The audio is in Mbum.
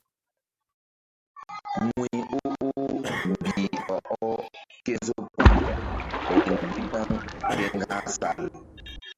Wuy o oh mbih ɔ ɔh ke nzo pam riŋ bi gaŋ ke ŋga̧h sal.